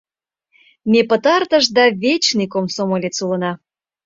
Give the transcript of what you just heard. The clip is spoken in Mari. Ме пытартыш да вечный комсомолец улына!